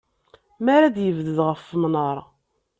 Mi ara d-yebded ɣef umnar.